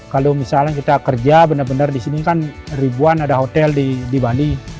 kalau misalnya kita kerja benar benar di sini kan ribuan ada hotel di bali